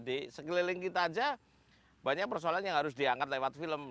di sekeliling kita aja banyak persoalan yang harus diangkat lewat film